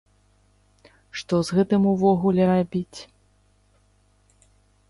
Што з гэтым увогуле рабіць?